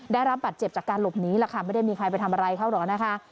ได้รับบัตรเจ็บจากการหลบหนีล่ะค่ะไม่ได้มีใครไปทำอะไรเขาหรอกนะคะ